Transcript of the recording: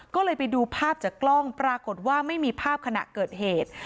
ก็เลยไปดูภาพจากกล้องปรากฏว่าไม่มีภาพขณะเกิดเหตุ